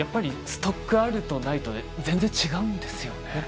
ストックあるとないとで全然、違うんですよね。